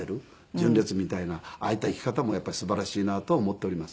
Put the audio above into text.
純烈みたいなああいった生き方もすばらしいなとは思っております。